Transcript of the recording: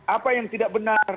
apa yang tidak benar